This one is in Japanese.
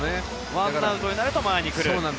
１アウトになると前に来る。